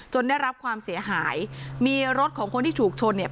ได้รับความเสียหายมีรถของคนที่ถูกชนเนี่ย